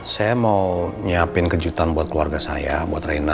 saya mau nyiapin kejutan buat keluarga saya buat reina